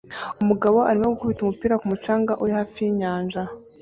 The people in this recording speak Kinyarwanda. Umugabo arimo gukubita umupira ku mucanga uri hafi y'inyanja